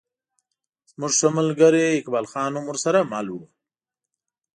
زموږ ښه ملګری اقبال خان هم ورسره مل و.